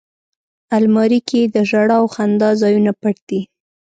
الماري کې د ژړا او خندا ځایونه پټ دي